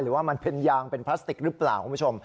หรือว่ามันเป็นยางเป็นพลาสติกหรือเปล่าคุณผู้ชม